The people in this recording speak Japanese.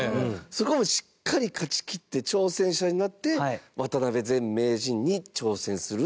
そこも、しっかり勝ちきって挑戦者になって渡辺前名人に挑戦する。